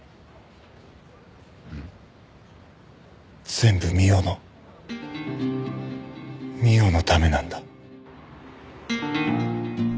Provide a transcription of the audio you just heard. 全部美緒の美緒のためなんだ。